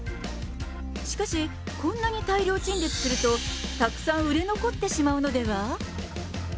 しかし、こんなに大量陳列すると、たくさん売れ残ってしまうのでは？